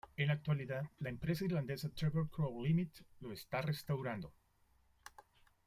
En la actualidad la empresa irlandesa Trevor Crowe Ltd lo está restaurando.